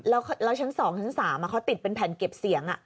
แล้วชั้น๒ชั้น๓เขาติดเป็นแผ่นเก็บเสียง